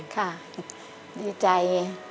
ข้าดีใจ